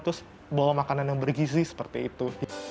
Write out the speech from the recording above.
terus bawa makanan yang bergizi seperti itu